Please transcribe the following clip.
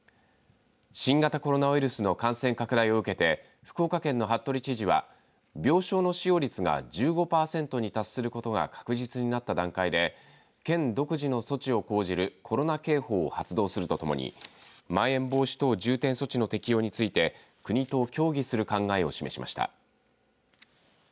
新型コロナウイルスの感染拡大を受けて福岡県の服部知事は病床の使用率が１５パーセントに達することが確実になった段階で県独自の措置を講じるコロナ警報を発動するとともにまん延防止等重点措置の適用について国と協議する考えを示しました。